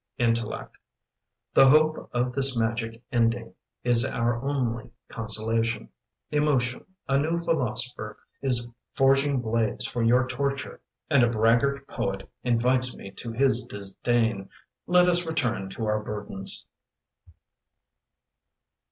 Intellect The hope of this magic ending Is our only consolation. Emotion, a new philosopher Is forging blades for your torture, And a braggart poet Invites me to his disdain. Let us return to our burdens.